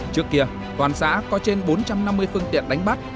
trước kia toàn xã có trên bốn trăm năm mươi phương tiện đánh bắt